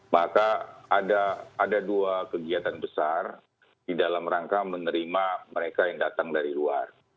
maka ada dua kegiatan besar di dalam rangka menerima mereka yang datang dari luar